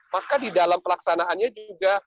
maka di dalam pelaksanaannya juga